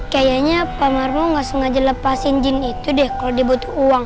kayanya pak marmo gak sengaja lepasin jin itu deh kalo dia butuh uang